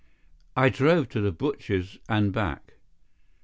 "I drove to the butcher's and back."